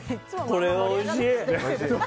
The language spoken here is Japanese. これ、おいしい！